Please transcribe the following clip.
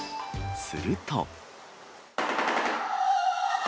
すると。